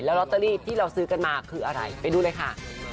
ลอตเตอรี่ที่เราซื้อกันมาคืออะไรไปดูเลยค่ะ